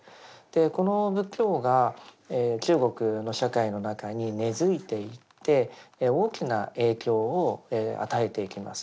この仏教が中国の社会の中に根づいていって大きな影響を与えていきます。